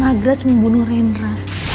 gimana nagraj membunuh rendra